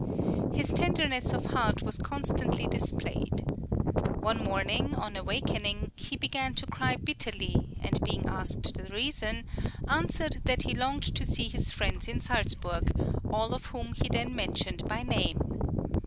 His tenderness of heart was constantly displayed. One morning on awaking, he began to cry bitterly, and {STUDY IN SALZBURG.} (50) being asked the reason, answered that he longed to see his friends in Salzburg, all of whom he then mentioned by name.